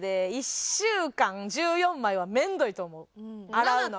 洗うの。